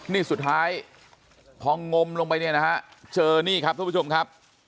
นี่สุดท้ายพองมลงไปเนี่ยนะฮะเจอนี่ครับทุกผู้ชมครับ